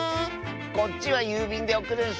こっちはゆうびんでおくるんスね！